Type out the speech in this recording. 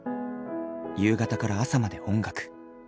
夕方から朝まで音楽。